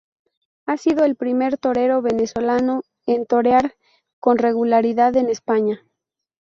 Ha sido el primer torero venezolano en torear con regularidad en España.